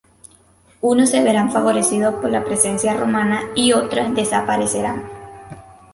Unos se verán favorecidos por la presencia romana y otras desaparecerán.